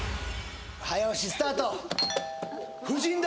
早押しスタート夫人だ！